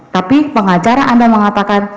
tapi pengacara anda mengatakan